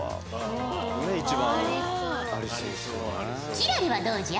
輝星はどうじゃ？